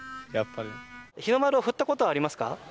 やっぱり日の丸を振ったことはありますか？